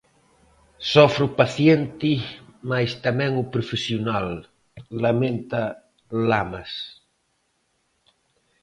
Sofre o paciente, mais tamén o profesional, lamenta Lamas.